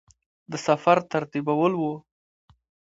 د سفر ترتیبول وه.